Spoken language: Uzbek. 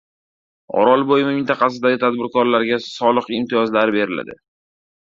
Orolbo‘yi mintaqasidagi tadbirkorlarga soliq imtiyozlari beriladi